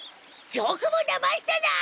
よくもだましたな！